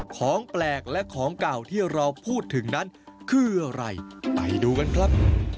ของแปลกและของเก่าที่เราพูดถึงนั้นคืออะไรไปดูกันครับ